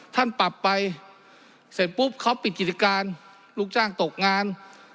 ปรับไปเสร็จปุ๊บเขาปิดกิจการลูกจ้างตกงาน